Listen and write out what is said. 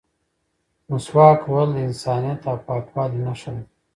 مسواک وهل د انسانیت او پاکوالي نښه ده.